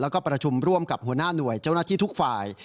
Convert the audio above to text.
แล้วก็ประชุมร่วมกับหัวหน้าหน่วยเจ้าหน้าที่ทุกฝ่าย